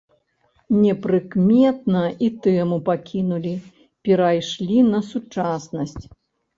Непрыкметна і тэму пакінулі, перайшлі на сучаснасць.